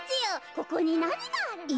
ここになにがあるんじゃ？」。